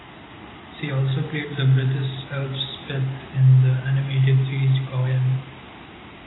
She also played the British Elspeth in the animated series Gawyan.